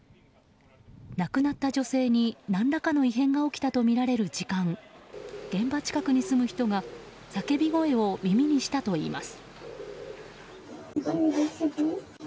亡くなった女性に何らかの異変が起きたとみられる時間現場近くに住む人が叫び声を耳にしたといいます。